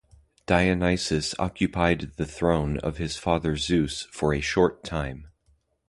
Dionysus occupied the throne of his father Zeus for a short time.